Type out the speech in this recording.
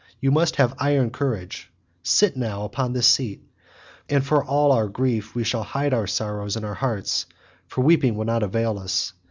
You must have iron courage: sit now upon this seat, and for all our grief we will hide our sorrows in our hearts, for weeping will not avail us.